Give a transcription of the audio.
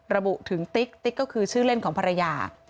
ระบุถึงติ๊กติ๊กก็คือชื่อเล่นของภรรยา